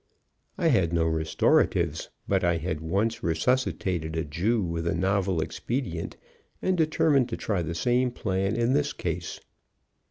I had no restoratives; but I had once resuscitated a Jew with a novel expedient, and determined to try the same plan in this case.